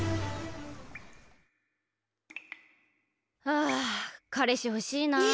オ！あかれしほしいなあ。